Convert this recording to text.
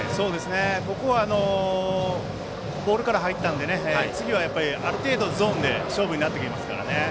ここはボールから入ったので、次はある程度ゾーンで勝負になってきますよね。